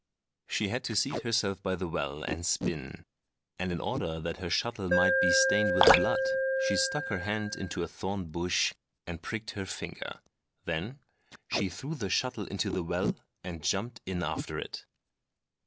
She had to seat herself by the well and spin; and in order that her shuttle might be stained with blood, she stuck her hand into a thorn bush and pricked her finger. Then she threw her shuttle into the well, and jumped in after it.